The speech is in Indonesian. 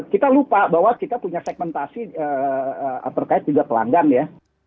kita lupa bahwa kita punya segmentasi terkait juga pelanggan ya